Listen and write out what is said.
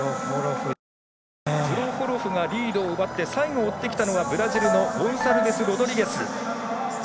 プロホロフがリードを奪って最後、追ってきたのがブラジルのゴンサルベスロドリゲス。